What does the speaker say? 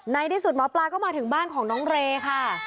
ในที่สุดหมอปลาก็มาถึงบ้านของน้องเรค่ะ